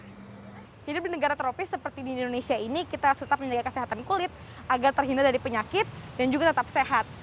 di negara tropis seperti di indonesia ini kita harus tetap menjaga kesehatan kulit agar terhindar dari penyakit dan juga tetap sehat